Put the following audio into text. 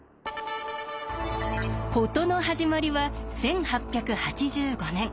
事の始まりは１８８５年。